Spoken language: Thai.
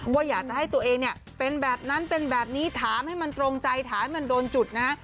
ว่าอยากจะให้ตัวเองเนี่ยเป็นแบบนั้นเป็นแบบนี้ถามให้มันตรงใจถามให้มันโดนจุดนะฮะ